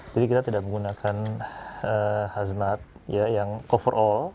jadi kita tidak menggunakan hazmat yang cover all